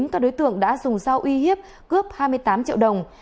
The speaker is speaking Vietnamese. các đối tượng đã dùng dao uy hiếp cướp hai mươi tám triệu đồng